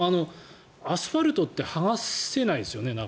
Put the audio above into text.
アスファルトってなかなか剥がせないですよね。